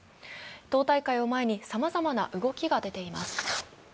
党大会を前にさまざまな動きが出ています。